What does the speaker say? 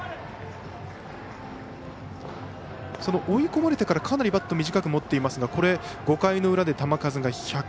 追い込まれてからかなりバット短く持っていますが５回の裏で球数が１００。